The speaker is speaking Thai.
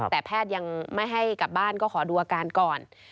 แต่แพทย์ยังไม่ให้กลับบ้านก็ขอดูอาการก่อน